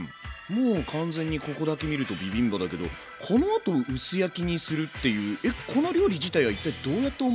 もう完全にここだけ見るとビビンバだけどこのあと薄焼きにするっていうえっこの料理自体は一体どうやって思いついたの？